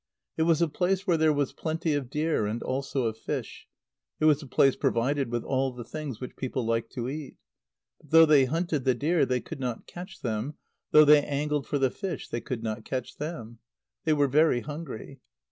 It was a place where there was plenty of deer and also of fish; it was a place provided with all the things which people like to eat. But though they hunted the deer, they could not catch them; though they angled for the fish, they could not catch them. They were very hungry.